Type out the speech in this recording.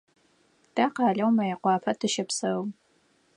Тэ къалэу Мыекъуапэ тыщэпсэу.